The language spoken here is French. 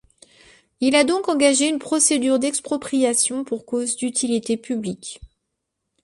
Il a donc engagé une procédure d'expropriation pour cause d'utilité publique.